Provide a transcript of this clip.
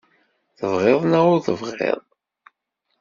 Tebɣiḍ neɣ ur tebɣiḍ.